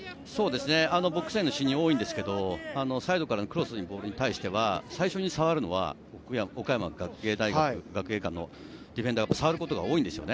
ボックスラインの進入は多いんですが、サイドからのクロスに対しては、最初に触るのは岡山学芸館のディフェンダーはさわることが多いんですよね。